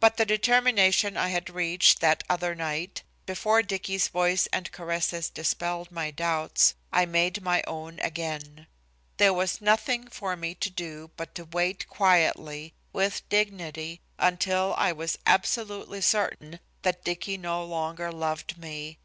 But the determination I had reached that other night, before Dicky's voice and caresses dispelled my doubts, I made my own again. There was nothing for me to do but to wait quietly, with dignity, until I was absolutely certain that Dicky no longer loved me.